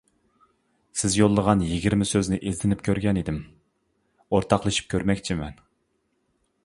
سىز يوللىغان يىگىرمە سۆزنى ئىزدىنىپ كۆرگەن ئىدىم، ئورتاقلىشىپ كۆرمەكچىمەن.